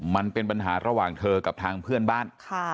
มันเป็นปัญหาระหว่างเธอกับทางเพื่อนบ้าน